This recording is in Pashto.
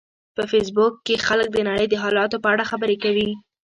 په فېسبوک کې خلک د نړۍ د حالاتو په اړه خبرې کوي